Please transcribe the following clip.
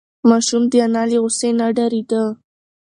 ماشوم د انا له غوسې نه ډارېده.